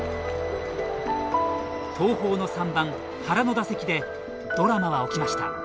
東邦の３番・原の打席でドラマは起きました。